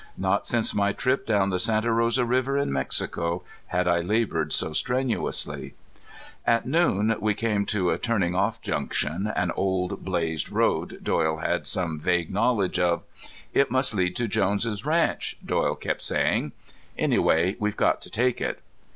Not since my trip down the Santa Rosa river in Mexico had I labored so strenuously. At noon we came to the turning off junction, an old blazed road Doyle had some vague knowledge of. "It must lead to Jones' ranch," Doyle kept saying. "Anyway, we've got to take it."